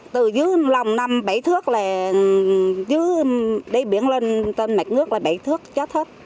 từ dưới lòng năm bảy thước là dưới đáy biển lên tên mạch nước là bảy thước chết hết